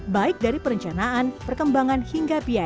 baik dari perencanaan perkembangan hingga biaya